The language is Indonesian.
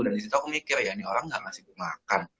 dan disitu aku mikir ya ini orang gak ngasih gue makan